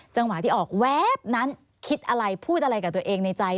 จังหวะที่ออกแวบนั้นคิดอะไรพูดอะไรกับตัวเองในใจ